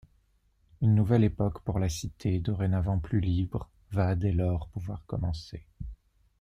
Une nouvelle époque pour la cité, dorénavant plus libre va, dès lors, pouvoir commencer.